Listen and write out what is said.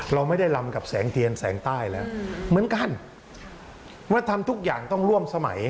เราไม่ได้ลำกับแสงเทียนแสงใต้แล้วเหมือนกันว่าทำทุกอย่างต้องร่วมสมัย